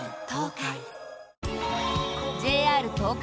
ＪＲ東海。